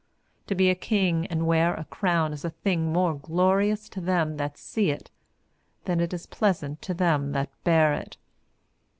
To be a king and wear a crown is a thing more glorious to them that see it than it is pleasant to them that bear it.